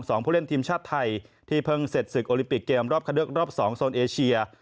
ผู้เล่นทีมชาติไทยที่เพิ่งเสร็จศึกโอลิปิกเกมรอบคันเลือกรอบสองโซนเอเชีย